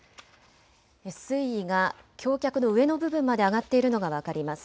水位が橋脚の上の部分まで上がっているのが分かります。